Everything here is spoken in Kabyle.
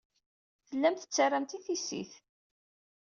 Tellam tettarram-tt i tissit.